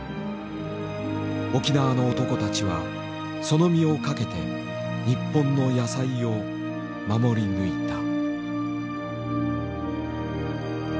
沖縄の男たちはその身をかけて日本の野菜を守り抜いた。